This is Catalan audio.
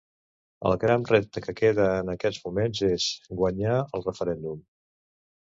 El gran repte que queda en aquests moments és guanyar el referèndum.